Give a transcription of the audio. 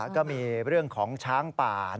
ก็มีเรื่องของช้างป่า